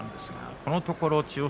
このところ千代翔